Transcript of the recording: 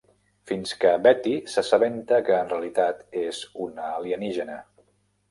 Fins que Betty s'assabenta que en realitat és una alienígena.